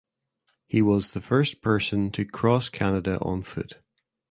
He was the first person to cross Canada on foot.